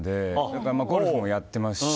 だからゴルフもやってますし。